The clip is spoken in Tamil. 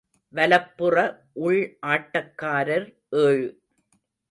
வலப்புற உள் ஆட்டக்காரர் ஏழு.